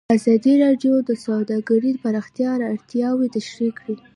ازادي راډیو د سوداګري د پراختیا اړتیاوې تشریح کړي.